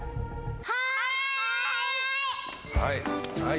はい。